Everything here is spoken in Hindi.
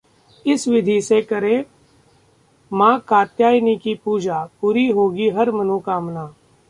इस विधि से करें मां कात्यायनी की पूजा, पूरी होगी हर मनोकामना